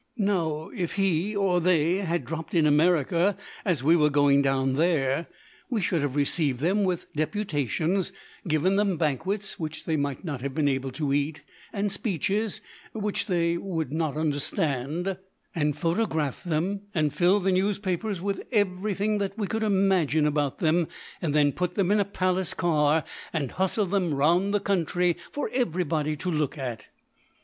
"Now, if he, or they, had dropped in America as we were going down there, we should have received them with deputations, given them banquets, which they might not have been able to eat, and speeches, which they would not understand, and photographed them, and filled the newspapers with everything that we could imagine about them, and then put them in a palace car and hustled them round the country for everybody to look at."